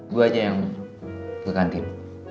gue aja yang gue kantin